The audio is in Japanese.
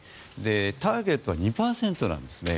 ターゲットは２％なんですね。